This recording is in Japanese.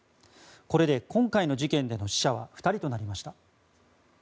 これで今回の事件での死者は２人となりました。